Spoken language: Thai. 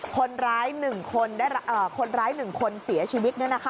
คนร้ายหนึ่งคนเสียชีวิต